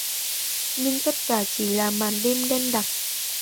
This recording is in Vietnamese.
Nhưng tất cả chỉ là màn đêm đen đặc